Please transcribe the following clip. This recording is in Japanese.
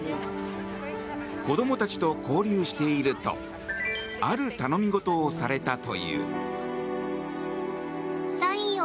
子供たちと交流しているとある頼み事をされたという。